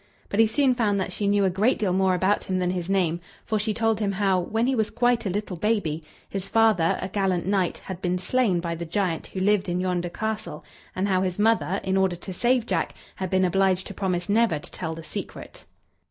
But he soon found that she knew a great deal more about him than his name; for she told him how, when he was quite a little baby, his father, a gallant knight, had been slain by the giant who lived in yonder castle, and how his mother, in order to save Jack, had been obliged to promise never to tell the secret.